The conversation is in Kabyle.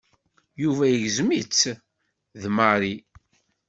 Yuba igzem-itt d Mary.